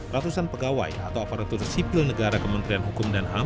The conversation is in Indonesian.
ratusan pegawai atau aparatur sipil negara kementerian hukum dan ham